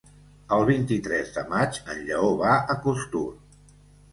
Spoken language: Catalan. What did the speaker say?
El vint-i-tres de maig en Lleó va a Costur.